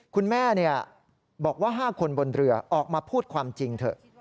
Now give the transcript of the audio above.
คุณแม่บอกว่า๕คนบนเรือออกมาพูดความจริงเถอะ